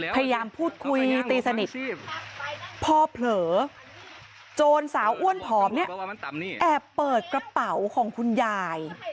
พยายามพูดคุยตีสนิทพอเผลอโจรสาวอ้วนผอมเนี่ยแอบเปิดกระเป๋าของคุณยาย